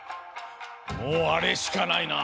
もうあれしかないな。